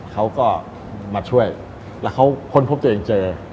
เขาก็มาช่วยแล้วเขาค้นพบตัวเองเจอ